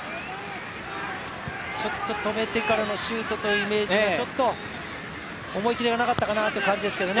止めてからのシュートというイメージが思い切りがなかったかなという印象ですけどね。